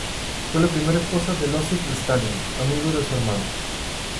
Fue la primera esposa de Iósif Stalin, amigo de su hermano.